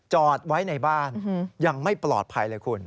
จอดไว้ในบ้านยังไม่ปลอดภัยเลยคุณ